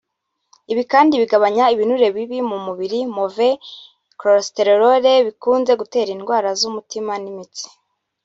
Ibi kandi binagabanya ibinure bibi ku mubiri “Mauvais cholesterol” bikunze gutera indwara z’umutima n’imitsi